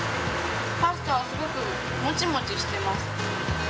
パスタはすごくモチモチしてます。